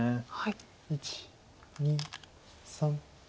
１２３。